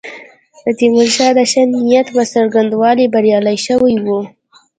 د تیمورشاه د ښه نیت په څرګندولو بریالي شوي وو.